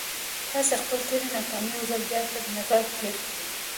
تاسې خپلې تېرې ناکامۍ يو ځل بيا تر نظر تېرې کړئ.